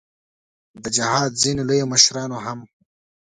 د جهاد ځینو لویو مشرانو هم.